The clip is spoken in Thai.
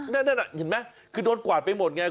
นั่นเห็นไหมคือโดนกวาดไปหมดไง